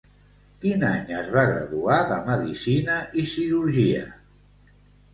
Quin any es va graduar de Medicina i Cirugia?